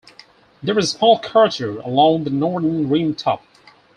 There is a small crater along the northern rim top.